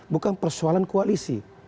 bukan persoalan koalisi